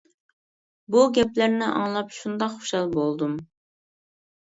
بۇ گەپلەرنى ئاڭلاپ شۇنداق خۇشال بولدۇم.